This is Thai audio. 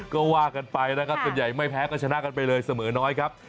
ก็ว่ากันไปนะครับส่วนใหญ่ไม่แพ้ก็ชนะกันไปเลยเสมอน้อยครับ